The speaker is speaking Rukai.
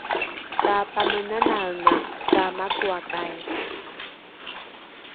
kapamenanaenga ka makoakai